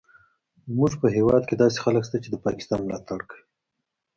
زموږ په هیواد کې داسې خلک شته چې د پاکستان ملاتړ کوي